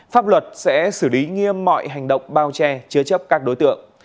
pháp luật sẽ xử lý nghiêm mọi hành động bao che chứa chấp các đối tượng